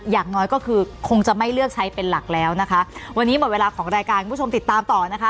อย่างน้อยก็คือคงจะไม่เลือกใช้เป็นหลักแล้วนะคะวันนี้หมดเวลาของรายการคุณผู้ชมติดตามต่อนะคะ